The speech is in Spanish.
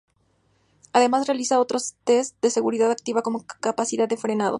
Además realiza otros test de seguridad activa como capacidad de frenado.